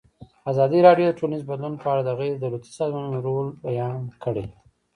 ازادي راډیو د ټولنیز بدلون په اړه د غیر دولتي سازمانونو رول بیان کړی.